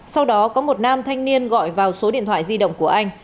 sau đó có một nam thanh niên gọi vào số điện thoại di động của anh